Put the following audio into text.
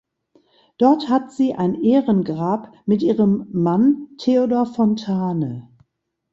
Dort hat sie ein Ehrengrab mit ihrem Mann Theodor Fontane.